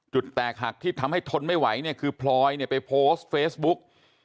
แตกหักที่ทำให้ทนไม่ไหวเนี่ยคือพลอยเนี่ยไปโพสต์เฟซบุ๊ก